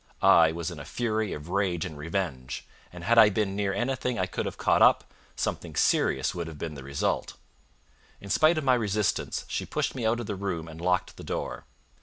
I was in a fury of rage and revenge, and had I been near anything I could have caught up, something serious would have been the result. In spite of my resistance, she pushed me out of the room and locked the door.